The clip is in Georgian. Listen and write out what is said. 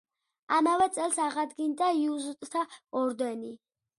ამავე წელს აღადგინა იეზუიტთა ორდენი.